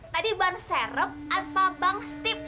tadi bang serep atau bang steve